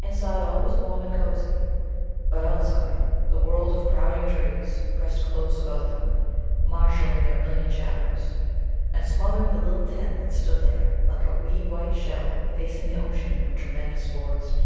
Inside, all was warm and cozy, but outside the world of crowding trees pressed close about them, marshalling their million shadows, and smothering the little tent that stood there like a wee white shell facing the ocean of tremendous forest.